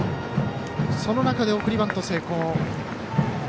その中で送りバント成功。